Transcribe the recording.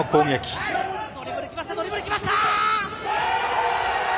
ドリブル行きました。